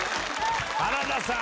原田さん！